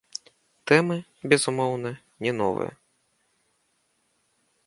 Тэмы, безумоўна, не новыя.